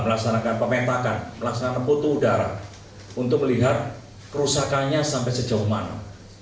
melaksanakan pemetakan melaksanakan putu udara untuk melihat kerusakannya sampai sejauh mana